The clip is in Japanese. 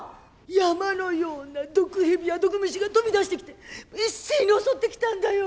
山のような毒蛇や毒虫が飛び出してきて一斉に襲ってきたんだよ！